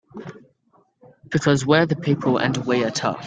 Because we're the people and we're tough!